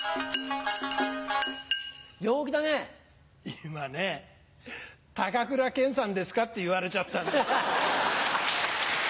今ね「高倉健さんですか？」って言われちゃったんだ。